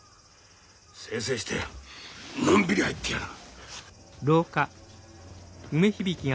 せいせいしてのんびり入ってやる。